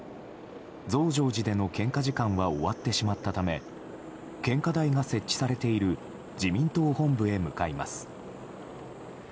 増上寺での献花時間は終わってしまったため献花台が設置されている自民党本部へ向かいます。